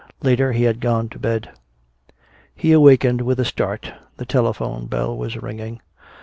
Later he had gone to bed. He awakened with a start. The telephone bell was ringing.